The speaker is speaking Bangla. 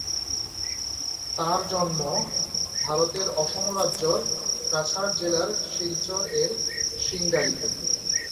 তার জন্ম ভারতের অসম রাজ্যর কাছাড় জেলার শিলচর এর সিংগারিতে।